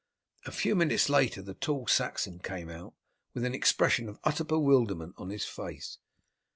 A few minutes later the tall Saxon came out with an expression of utter bewilderment on his face.